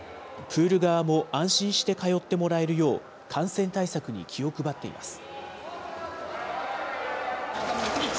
プール側も安心して通ってもらえるよう、感染対策に気を配っています。